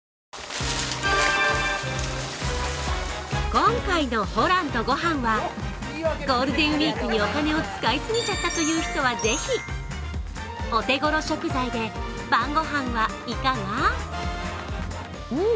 今回の「ホランとごはん」はゴールデンウイークにお金を使い過ぎちゃったという人はぜひお手頃食材で晩ご飯はいかが？